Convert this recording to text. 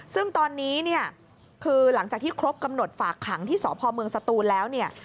ซึ่งตอนนี้เนี่ยคือหลังจากที่ครบกำหนดฝากขังที่สพเมืองสตูนแล้วเนี่ย